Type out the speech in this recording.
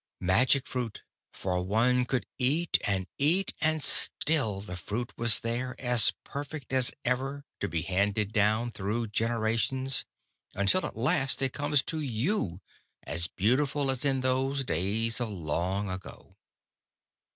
Magic fruit, for one could eat and eat, and still the fruit was there as perfect as ever to be handed down through generations, until at last it comes to you, as beautiful as in those days of long ago.